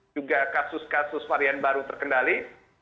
juga kasus kasus varian baru terkendali